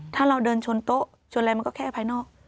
ถ้าเราเดินชนโต๊ะชนอะไรมันก็แค่ภายนอก